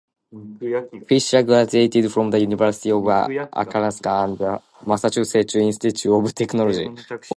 Fischer graduated from the University of Arkansas and the Massachusetts Institute of Technology.